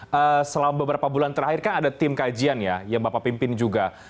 pak selama beberapa bulan terakhir kan ada tim kajian ya yang bapak pimpin juga